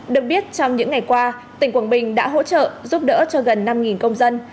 được biết trong những ngày qua tỉnh quảng bình đã hỗ trợ giúp đỡ cho gần năm công dân